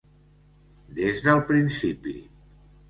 Des del principi.